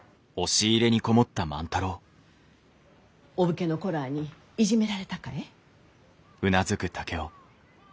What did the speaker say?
お武家の子らあにいじめられたかえ？